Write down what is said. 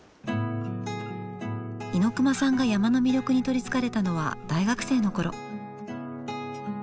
猪熊さんが山の魅力に取りつかれたのは大学生の頃。